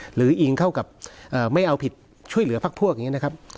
อิงเข้ากับไม่เอาผิดช่วยเหลือพักพวกอย่างนี้นะครับ